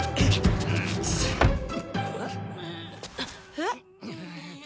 えっ？